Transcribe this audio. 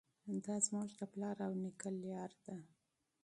دا زموږ د پلار او نیکه لاره ده.